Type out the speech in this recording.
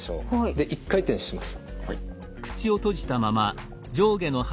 で一回転します。